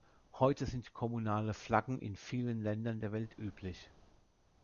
Heute sind kommunale Flaggen in vielen Ländern der Welt üblich.